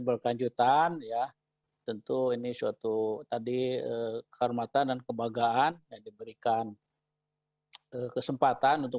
berkelanjutan ya tentu ini suatu tadi kehormatan dan kebanggaan yang diberikan kesempatan untuk